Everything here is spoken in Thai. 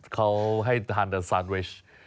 เขาให้ทานดาซานเวช